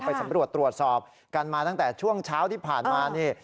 สำรวจตรวจสอบกันมาตั้งแต่ช่วงเช้าที่ผ่านมานี่